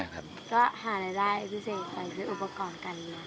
ก็หารายพิเศษของอุปกรณ์การเรียน